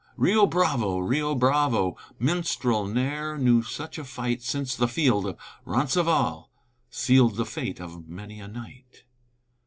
Rio Bravo! Rio Bravo! Minstrel ne'er knew such a fight Since the field of Roncesvalles Sealed the fate of many a knight.